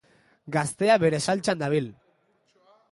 Gaztea bere saltsan dabil!